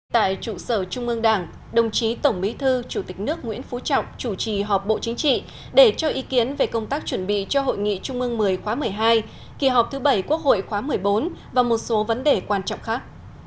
tại trụ sở trung ương đảng đồng chí tổng bí thư chủ tịch nước nguyễn phú trọng chủ trì họp bộ chính trị để cho ý kiến về công tác chuẩn bị cho hội nghị trung ương một mươi khóa một mươi hai kỳ họp thứ bảy quốc hội khóa một mươi bốn và một số vấn đề quan trọng khác